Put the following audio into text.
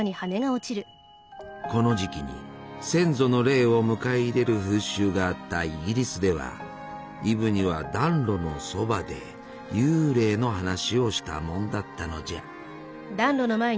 この時期に先祖の霊を迎え入れる風習があったイギリスではイブには暖炉のそばで幽霊の話をしたもんだったのじゃ。